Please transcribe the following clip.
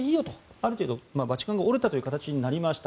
ある程度バチカンが折れたという形になりました。